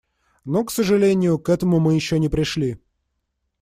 Но, к сожалению, к этому мы еще не пришли.